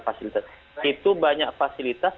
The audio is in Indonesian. fasilitas itu banyak fasilitas